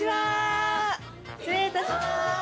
失礼いたします